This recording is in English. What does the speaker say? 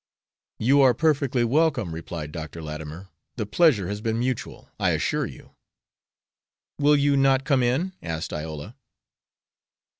"You are perfectly welcome," replied Dr. Latimer. "The pleasure has been mutual, I assure you." "Will you not come in?" asked Iola.